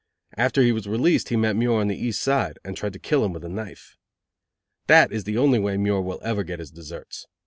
After he was released he met Muir on the East Side, and tried to kill him with a knife. That is the only way Muir will ever get his deserts.